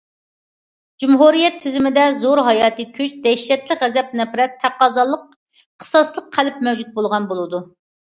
جۇمھۇرىيەت تۈزۈمىدە زور ھاياتىي كۈچ، دەھشەتلىك غەزەپ- نەپرەت، تەقەززالىق قىساسلىق قەلب مەۋجۇت بولغان بولىدۇ.